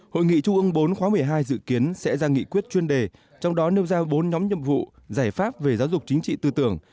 hội nghị trung ương bốn khóa một mươi hai dự kiến sẽ ra nghị quyết chuyên đề trong đó nêu ra bốn nhóm nhiệm vụ giải pháp về giáo dục chính trị tư tưởng